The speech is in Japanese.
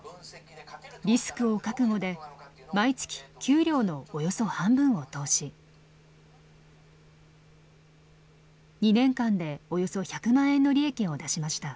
リスクを覚悟で毎月給料のおよそ半分を投資。２年間でおよそ１００万円の利益を出しました。